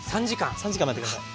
３時間待って下さい。